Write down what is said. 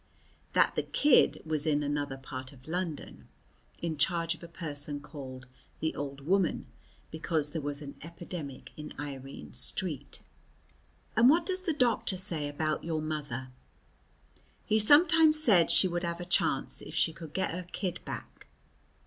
That the kid was in another part of London (in charge of a person called the old woman), because there was an epidemic in Irene's street. "And what does the doctor say about your mother?" "He sometimes says she would have a chance if she could get her kid back."